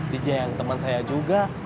dija yang teman saya juga